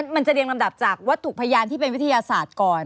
มันจะเรียงลำดับจากวัตถุพยานที่เป็นวิทยาศาสตร์ก่อน